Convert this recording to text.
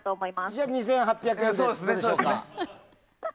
じゃあ２８００円でどうでしょうか。